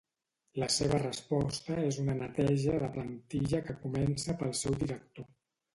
La seva resposta és una neteja de plantilla que comença pel seu director.